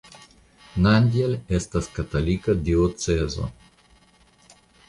Nandjal estas katolika diocezo.